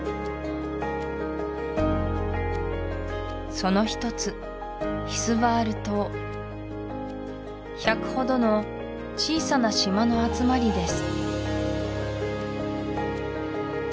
その一つヒスヴァール島１００ほどの小さな島の集まりです